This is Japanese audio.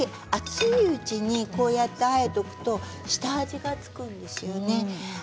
熱いうちにこうやってあえておくと下味が付くんですよね。